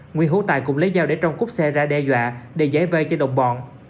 nguyên hữu tài cũng lấy dao để trong cúp xe ra đe dọa để giải vây cho đồng bọn